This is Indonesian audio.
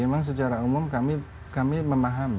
memang secara umum kami memahami motivasi motivasi ini